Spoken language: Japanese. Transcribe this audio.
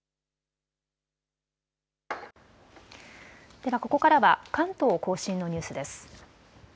ではここからは関東甲信のニュースです。